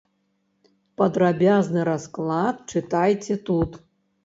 Падрабязны расклад чытайце тут.